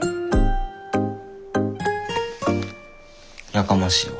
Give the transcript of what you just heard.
やかましいわ。